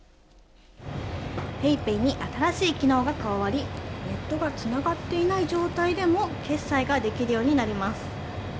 ＰａｙＰａｙに新しい機能が加わり、ネットがつながっていない状態でも、決済ができるようになります。